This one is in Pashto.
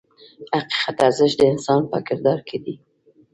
حقیقي ارزښت د انسان په کردار کې دی.